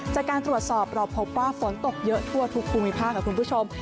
แต่การตรวจสอบเราพบว่าฝนตกเยอะทั่วธุคลุมิพาคกับคุณผู้ชม